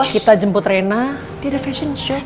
kalau rena dia ada fashion show